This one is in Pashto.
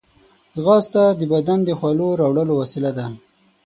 ځغاسته د بدن د خولو راوړلو وسیله ده